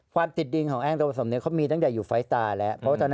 เก่งนะ